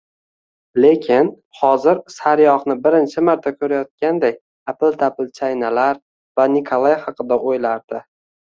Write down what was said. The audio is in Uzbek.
Lekin hozir sariyogʻni birinchi marta koʻrayotganday apil-tapil chaynalar va Nikolay haqida oʻylardi